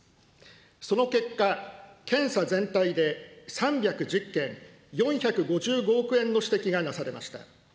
その結果、検査全体で３１０件、４５５億円の指摘がなされました。